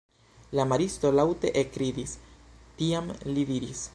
La maristo laŭte ekridis, tiam li diris: